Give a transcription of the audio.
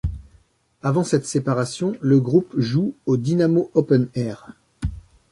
Avant cette séparation, le groupe joue au Dynamo Open Air.